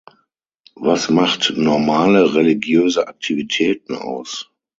Was macht "normale religiöse Aktivitäten" aus?